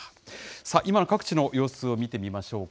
さあ、今の各地の様子を見てみましょうか。